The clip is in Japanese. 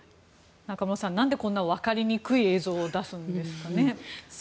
中室さんなんでこんなわかりにくい映像を出すんですかね。